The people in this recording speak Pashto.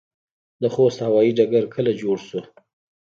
د خوست هوايي ډګر کله جوړ شو؟